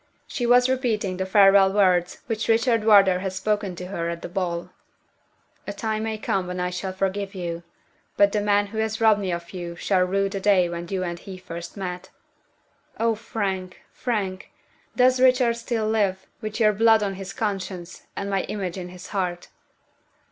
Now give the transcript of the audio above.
She was repeating the farewell words which Richard Wardour had spoken to her at the ball. "'A time may come when I shall forgive you. But the man who has robbed me of you shall rue the day when you and he first met.' Oh, Frank! Frank! does Richard still live, with your blood on his conscience, and my image in his heart?"